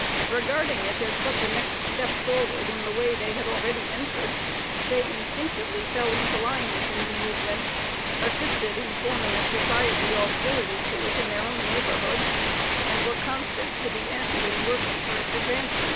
Regarding it but as the next step forward in the way they had already entered, they instinctively fell into line with the new movement, assisted in forming a society auxiliary to it, in their own neighborhood, and were constant to the end in working for its advancement.